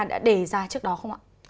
đã đề ra trước đó không ạ